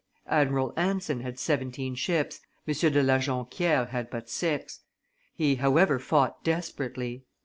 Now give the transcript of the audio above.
Admiral Anson had seventeen ships, M. de La Jonquiere had but six; he, however, fought desperately.